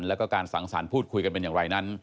แล้วก็การสังสรรค์พูดคุยกันเป็นอย่างไรนั้น